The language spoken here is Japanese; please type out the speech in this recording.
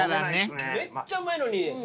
めっちゃうまいのに。